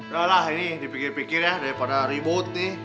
dahlah ini dipikir pikir ya daripada ribut nih